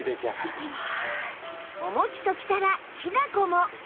お餅ときたらきな粉も！